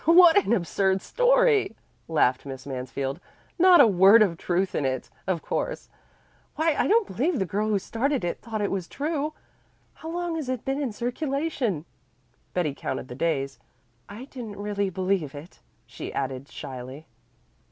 "What an absurd story!" laughed Miss Mansfield. "Not a word of truth in it, of course. Why I don't believe the girl who started it thought it was true. How long has it been in circulation?" Betty counted the days. "I didn't really believe it," she added shyly.